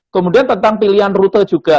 kemudian tentang pilihan rute juga